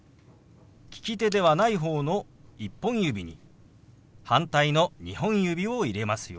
利き手ではない方の１本指に反対の２本指を入れますよ。